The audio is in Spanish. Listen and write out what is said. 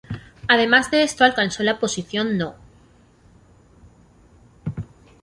Además de esto alcanzó la posición No.